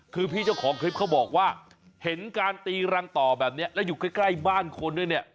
คือพี่เจ้าของคลิปเขาบอกว่าเห็นการตีรังต่อแบบนี้แล้วอยู่ใกล้บ้านคนด้วยเนี่ย